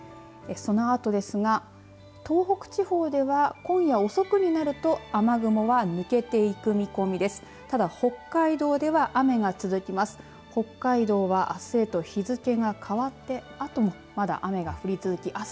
そのあとですが東北地方では今夜遅くになると雨雲は抜けていく見込みです。